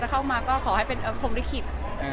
จะเข้ามาก็ขอให้เป็นคุ้มบุคคิด